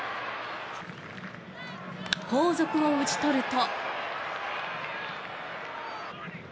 後続を打ち取ると。